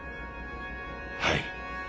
はい。